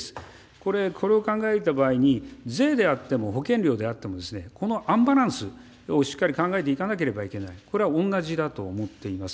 これ、これを考えた場合に、税であっても、保険料であっても、このアンバランスをしっかり考えていかなければいけない、これは同じだと思っています。